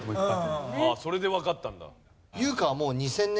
それでわかったんだ。